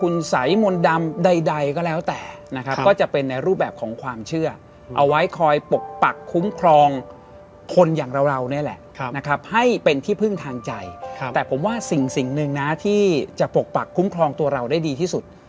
ให้เป็นที่พึ่งทางใจแต่ผมว่าสิ่งนึงที่จะปกปักคุ้มครองตัวเราได้ดีที่สุด